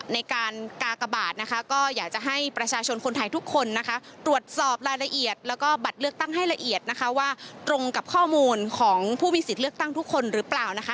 ในการกากบาทนะคะก็อยากจะให้ประชาชนคนไทยทุกคนนะคะตรวจสอบรายละเอียดแล้วก็บัตรเลือกตั้งให้ละเอียดนะคะว่าตรงกับข้อมูลของผู้มีสิทธิ์เลือกตั้งทุกคนหรือเปล่านะคะ